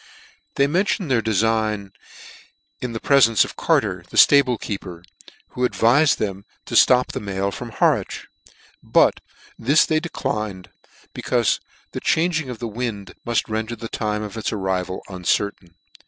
They mentioned their defign in the prefence of Carter, the ftable keeper, who advifed them to flop the mail from Harwich ; but this they de clined, becaufe the changing of the wind mull render the time of its arrival uncertain.